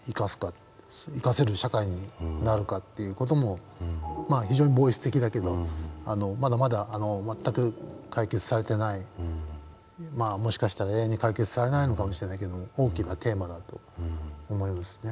生かせる社会になるかという事も非常にボイス的だけどまだまだ全く解決されてないもしかしたら永遠に解決されないのかもしれないけど大きなテーマだと思いますね。